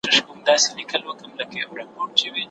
د بشر راتلونکی په پوهه پورې تړلی دی.